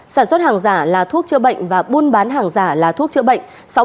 sản xuất hàng giả là thuốc chữa bệnh và buôn bán hàng giả là thuốc chữa bệnh